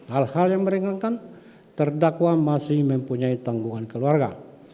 hal hal yang meringankan terdakwa masih mempunyai tanggungan keluarga